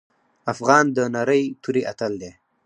افغان د نرۍ توري اتل دی.